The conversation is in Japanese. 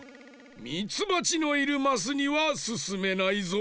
ミツバチのいるマスにはすすめないぞ。